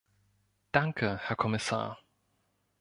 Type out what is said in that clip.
Danke Herr Kommissar.